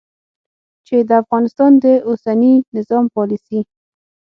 چې د افغانستان د اوسني نظام پالیسي